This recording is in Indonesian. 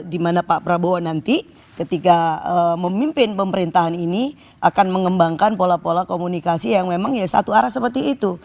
dimana pak prabowo nanti ketika memimpin pemerintahan ini akan mengembangkan pola pola komunikasi yang memang ya satu arah seperti itu